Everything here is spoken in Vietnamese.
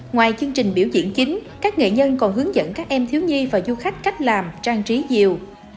ngoài chương trình biểu diễn chính các nghệ nhân còn hướng dẫn các em thiếu nhi và du khách cách làm trang trí diều